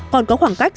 còn có khoảng cách